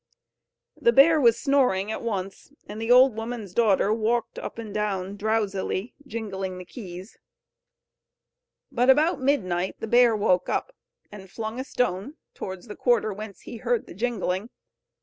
The bear was snoring at once, and the old woman's daughter walked up and down drowsily, jingling the keys. But about midnight the bear woke up, and flung a stone towards the quarter whence he heard the jingling.